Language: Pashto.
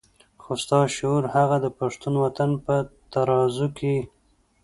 خو ستا شعور هغه د پښتون وطن په ترازو کې.